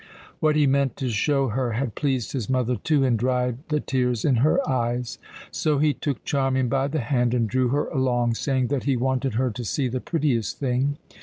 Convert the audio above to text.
What he meant to show her had pleased his mother, too, and dried the tears in her eyes. So he took Charmian by the hand and drew her along, saying that he wanted her to see the prettiest thing.